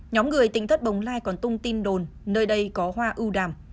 nhóm người tính thất bồng lai còn tung tin đồn nơi đây có hoa ưu đàm